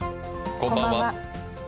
こんばんは。